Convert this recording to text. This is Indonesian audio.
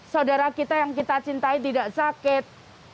saudara kita yang kita cintai tidak sakit